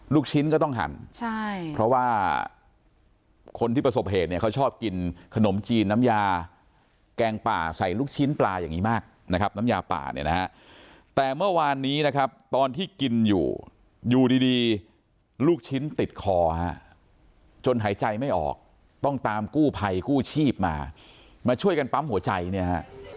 ลูกชิ้นก็ต้องหั่นใช่เพราะว่าคนที่ประสบเหตุเนี่ยเขาชอบกินขนมจีนน้ำยาแกงป่าใส่ลูกชิ้นปลาอย่างนี้มากนะครับน้ำยาป่าเนี่ยนะฮะแต่เมื่อวานนี้นะครับตอนที่กินอยู่อยู่ดีดีลูกชิ้นติดคอฮะจนหายใจไม่ออกต้องตามกู้ภัยกู้ชีพมามาช่วยกันปั๊มหัวใจเนี่ยฮะ